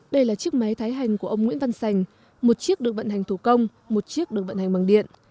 đây là chiếc máy thái hành của ông nguyễn văn sành một chiếc được vận hành thủ công một chiếc được vận hành bằng điện